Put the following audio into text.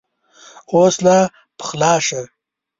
اوس لا پخلا شه !